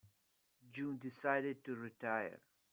June decided to retire.